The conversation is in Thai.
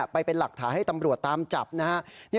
ไปเป็นหลักฐานให้ตำรวจตามจับนะฮะ